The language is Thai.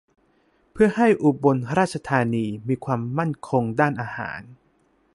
เพื่อให้อุบลราชธานีมีความมั่นคงด้านอาหาร